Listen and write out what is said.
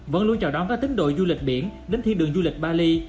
vẫn luôn chào đón các tính đội du lịch biển đến thiên đường du lịch bali